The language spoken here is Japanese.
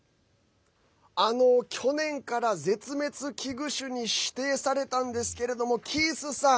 去年から絶滅危惧種に指定されたんですけれどもキースさん